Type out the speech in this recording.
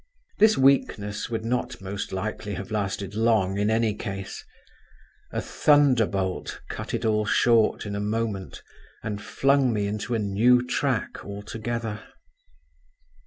This weakness would not most likely have lasted long in any case … a thunderbolt cut it all short in a moment, and flung me into a new track altogether.